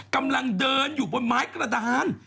กำลังเดินอยู่บนไม้กระดาน